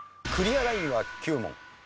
クリアラインは９問。